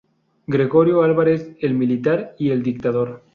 Gregorio Álvarez, el militar y el dictador.